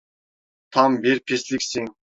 Tam bir pisliksin.